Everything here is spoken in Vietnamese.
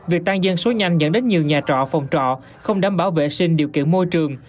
việc tan dân số nhanh dẫn đến nhiều nhà trọ phòng trọ không đảm bảo vệ sinh điều kiện môi trường